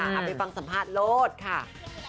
เอาไปฟังสัมภาษณ์โลศค่ะ